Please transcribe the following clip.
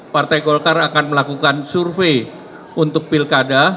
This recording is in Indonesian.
partai golkar akan melakukan survei untuk pilkada